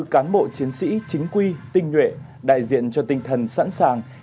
hai mươi bốn cán bộ chiến sĩ chính quy tinh nhuệ đại diện cho tinh thần sẵn sàng